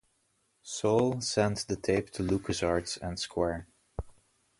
Soule sent the tape to LucasArts and Square.